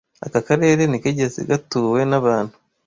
Aka karere ntikigeze gatuwe nabantu.